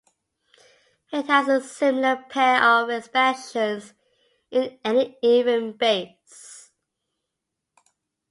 It has a similar pair of expansions in any even base.